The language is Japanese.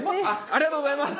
ありがとうございます。